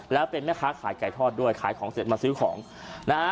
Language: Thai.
แล้วเป็นแม่ค้าขายไก่ทอดด้วยขายของเสร็จมาซื้อของนะฮะ